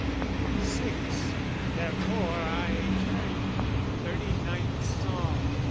Therefore I turned to the thirty ninth Psalm.